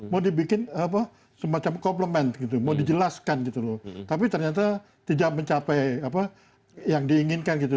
mau dibikin apa semacam komplement gitu mau dijelaskan gitu loh tapi ternyata tidak mencapai apa yang diinginkan gitu